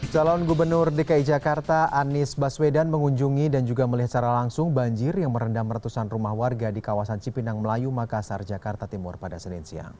calon gubernur dki jakarta anies baswedan mengunjungi dan juga melihat secara langsung banjir yang merendam ratusan rumah warga di kawasan cipinang melayu makassar jakarta timur pada senin siang